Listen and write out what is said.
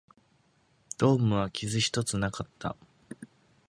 ドームは傷一つなかった